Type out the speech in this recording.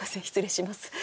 失礼します。